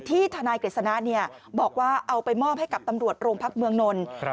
ทนายกฤษณะบอกว่าเอาไปมอบให้กับตำรวจโรงพักเมืองนนท์